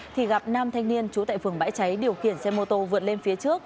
thì gặp nam thanh niên trú tại phường bãi cháy điều khiển xe mô tô vượt lên phía trước